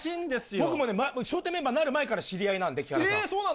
僕もね、笑点メンバーになる前から知り合いなんで、木原さん。